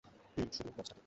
হুম, শুধু বক্সটাকে।